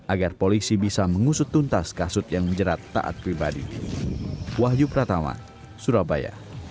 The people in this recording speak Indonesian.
agar polisi bisa mengusut tuntas kasus yang menjerat taat pribadi